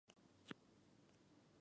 Nombre real: Yamaguchi Masao 山口真生.